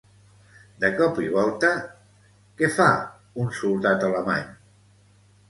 De cop i volta, què fa un soldat alemany?